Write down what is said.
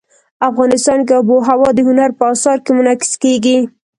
افغانستان کې آب وهوا د هنر په اثار کې منعکس کېږي.